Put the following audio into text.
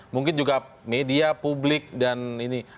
mungkin juga media publik dan ini